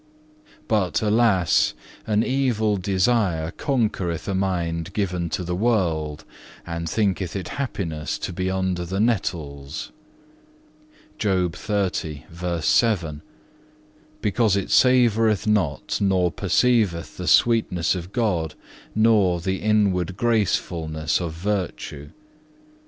5. But, alas! an evil desire conquereth a mind given to the world, and thinketh it happiness to be under the nettles(3) because it savoureth not nor perceiveth the sweetness of God nor the inward gracefulness of virtue.